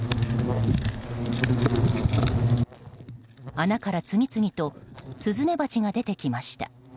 穴から次々とスズメバチが出てきました。